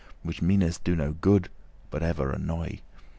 Which meanes do no good, but ever annoy.